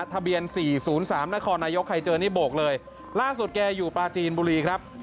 ทะเบียน๔๐๓นครนายกใครเจอนี่โบกเลยล่าสุดแกอยู่ปลาจีนบุรีครับ